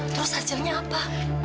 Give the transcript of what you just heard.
terus hasilnya apa